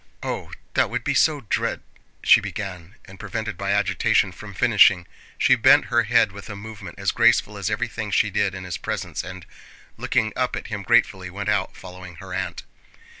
"Oh, that would be so dread..." she began and, prevented by agitation from finishing, she bent her head with a movement as graceful as everything she did in his presence and, looking up at him gratefully, went out, following her aunt.